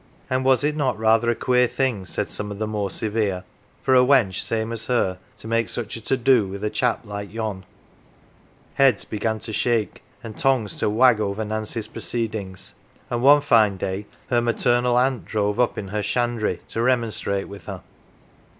" And was it not rather a queer thing, said some of the more severe, for a wench same as her to make such a to do with a chap like yon ? Heads began to shake and tongues to wag over Nancy's proceedings, and one fine day her maternal aunt drove up in her shandry to remonstrate with her.